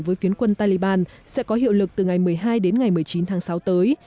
với phiến quân taliban sẽ có hiệu lực từ ngày một mươi hai đến ngày một mươi chín tháng sáu tới